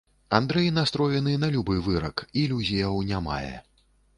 Андрэй настроены на любы вырак, ілюзіяў не мае.